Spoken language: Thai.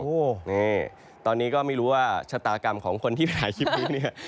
นี่ตอนนี้ก็ไม่รู้ว่าชะตากรรมของคนที่ไปหาคลิปนี้